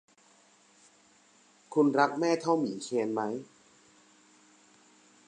คุณรักแม่เท่าหมีเคนไหม